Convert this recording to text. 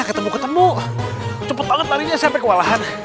ketemu ketemu cepet banget larinya sampai kewalahan